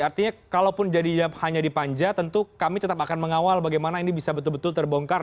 artinya kalaupun jadi hanya di panja tentu kami tetap akan mengawal bagaimana ini bisa betul betul terbongkar